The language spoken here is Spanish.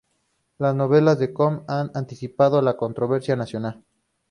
Las novelas de Cook han anticipado una controversia nacional.